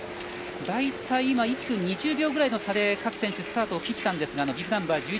大体１分２０秒ぐらいの差で各選手スタートを切ったんですがビブナンバー